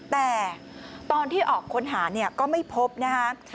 แต่ตอนที่ออกค้นหาเนี่ยก็ไม่พบนะคะ